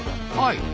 はい。